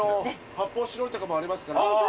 発泡スチロールとかもありますから。